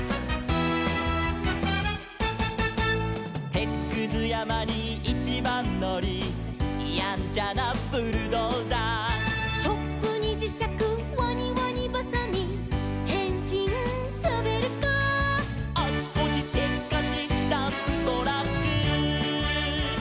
「てつくずやまにいちばんのり」「やんちゃなブルドーザー」「チョップにじしゃくワニワニばさみ」「へんしんショベルカー」「あちこちせっかちダンプトラック」